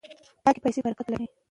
پاکې پیسې برکت لري.